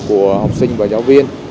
của học sinh và giáo viên